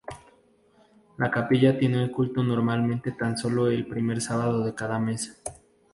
La capilla tiene culto normalmente tan solo el primer sábado de mes.